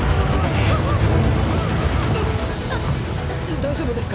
大丈夫ですか？